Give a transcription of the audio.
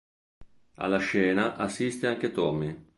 Alla scena assiste anche Tommy.